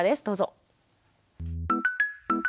どうぞ。